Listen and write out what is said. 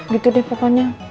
gitu deh pokoknya